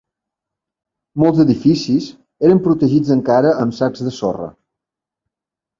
Molts edificis eren protegits encara amb sacs de sorra